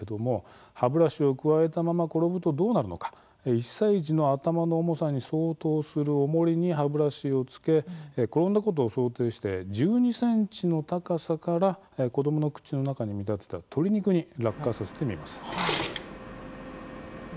歯ブラシをくわえたまま転ぶとどうなるのか１歳児の頭の重さに相当するおもりに歯ブラシをつけて転んだことを想定して１２ｃｍの高さから子どもの口の中に見立てた鶏肉に落下させてみます。